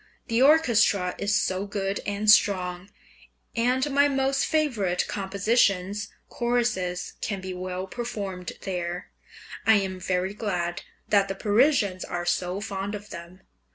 The orchestra is so good and strong, and my most favourite compositions, choruses, can be MANNHEIM. (430) well performed there; I am very glad that the Parisians are so fond of them.